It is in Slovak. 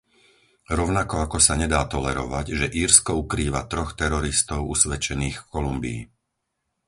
Rovnako ako sa nedá tolerovať, že Írsko ukrýva troch teroristov usvedčených v Kolumbii.